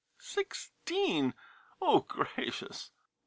Sixteen? Oh, gracious!